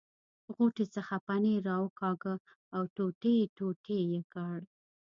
غوټې څخه پنیر را وکاږه او ټوټې ټوټې یې کړ.